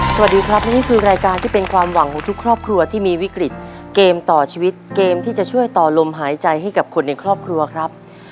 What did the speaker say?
สวัสดีครับและนี่คือรายการที่เป็นความหวังของทุกครอบครัวที่มีวิกฤตเกมต่อชีวิตเกมที่จะช่วยต่อลมหายใจให้กับคนในครอบครัวครับ